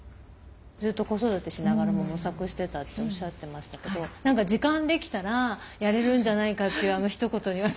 ずっと子育てしながらも模索してたっておっしゃってましたけど何か時間できたらやれるんじゃないかっていうあのひと言に私